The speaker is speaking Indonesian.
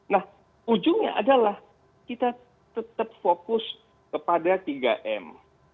nah ujungnya adalah kita tetap fokus kepada tiga m